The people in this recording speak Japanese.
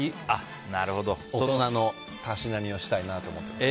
大人のたしなみをしたいなと思っています。